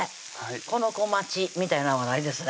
この子待ちみたいなんはないですね